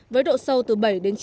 với độ sâu từ bảy đến chín m